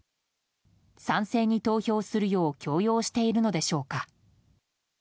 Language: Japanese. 賛成に投票するよう強要しているのでしょうか。